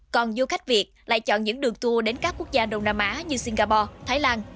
còn du khách việt lại chọn những đường tour đến các quốc gia đông nam á như singapore thái lan